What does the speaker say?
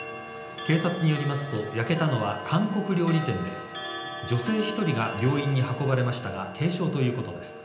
警察によりますと焼けたのは韓国料理店で女性１人が病院に運ばれましたが軽傷ということです。